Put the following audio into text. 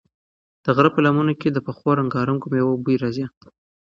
د غره په لمنو کې د پخو رنګارنګو مېوو بوی راځي.